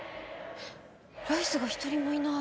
ライスが一人もいない。